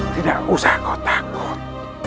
tidak usah kau takut